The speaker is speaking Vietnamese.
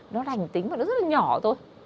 nó lành tính và nó rất là nhỏ thôi